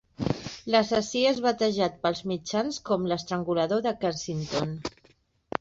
L'assassí és batejat pels mitjans com "l'estrangulador de Kensington".